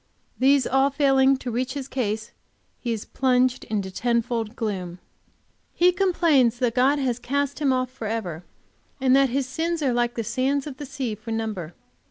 These all failing to reach his case, he is plunged into ten fold gloom. He complains that God has cast him off forever, and that his sins are like the sands of the sea for number.